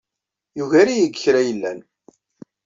Yugar-iyi deg kra yellan.